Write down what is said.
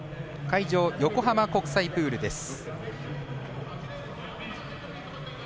会場、横浜国際プールです。